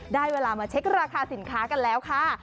ได้เวลามาเช็คราคาสินค้ากันแล้วค่ะ